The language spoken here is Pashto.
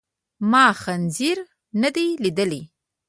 ما خنزير ندی لیدلی.